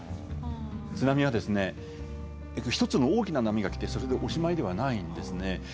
津波は１つの大きな波が来てそれでおしまいではないんですね。